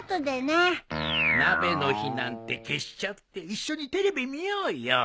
鍋の火なんて消しちゃって一緒にテレビ見ようよ。